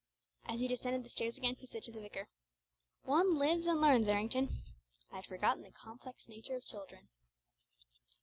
As he descended the stairs again, he said to the vicar, "One lives and learns, Errington. I had forgotten the complex natures of children."